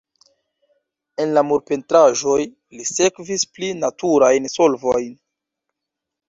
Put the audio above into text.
En la murpentraĵoj, li sekvis pli naturajn solvojn.